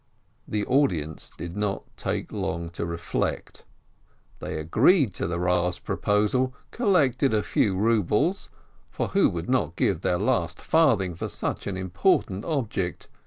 The audience did not take long to reflect, they agreed to the Rav's proposal, collected a few rubles (for who would not give their last farthing for such an important object?)